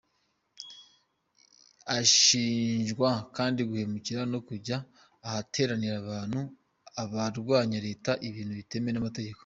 Ashinjwa kandi guhemuka no kujya ahateraniye abantu abarwanya na Leta ibintu bitemewe n’amategeko.